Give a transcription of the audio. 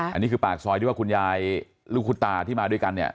อันนี้คือปากซอยที่ว่าคุณยายลูกคุณตาที่มาด้วยกันเนี่ย